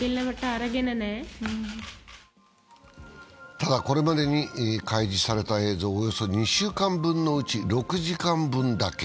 ただ、これまでに開示された映像はおよそ２週間分のうち６時間分だけ。